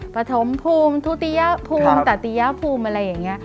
ปฐมภูมิทุติยภูมิตติยภูมิอะไรอย่างนี้